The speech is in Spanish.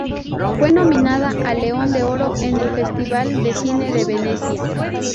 Fue nominada al León de Oro en el Festival de Cine de Venecia.